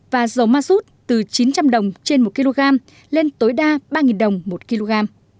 và dầu ma rút từ chín trăm linh đồng trên một kg lên tối đa ba đồng một kg